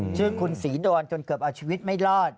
ชื่อคุณศรีดอนจนเกือบเอาชีวิตไม่รอด